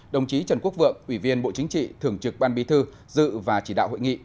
đồng chí trần quốc vượng ủy viên bộ chính trị thường trực ban bí thư dự và chỉ đạo hội nghị